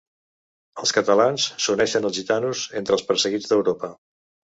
Els catalans s’uneixen als gitanos entre els perseguits d’Europa.